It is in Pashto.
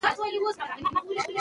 هغه د کورنۍ لپاره صحي خواړه ټاکي.